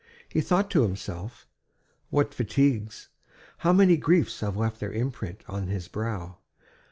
He thought to himself: "What fatigues, how many griefs have left their imprint on his brow!